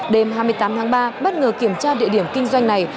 đêm hai mươi tám tháng ba bất ngờ kiểm tra địa điểm kinh doanh này